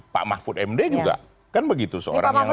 pak mahfud md juga kan begitu seorang yang